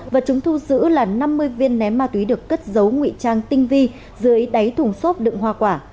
vật chúng thu giữ là năm mươi viên ném ma túy được cất giấu nguy trang tinh vi dưới đáy thùng xốp đựng hoa quả